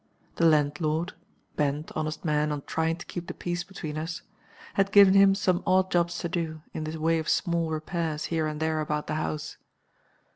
The landlord (bent, honest man, on trying to keep the peace between us) had given him some odd jobs to do, in the way of small repairs, here and there about the house.